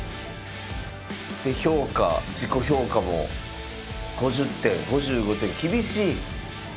で評価自己評価も５０点５５点厳しい！